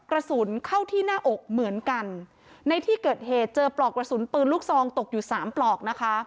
กระสุนเข้าที่หน้าอกเหมือนกันในที่เกิดเหตุเจอปลอกกระสุนปืนลูกซองตกอยู่สามปลอกนะคะ